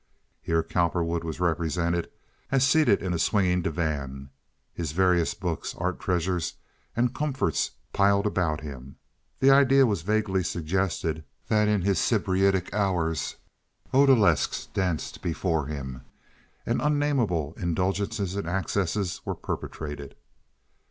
Here Cowperwood was represented as seated in a swinging divan, his various books, art treasures, and comforts piled about him. The idea was vaguely suggested that in his sybaritic hours odalesques danced before him and unnamable indulgences and excesses were perpetrated.